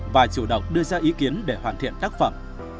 và chủ động đưa ra ý kiến để hoàn thiện tác phẩm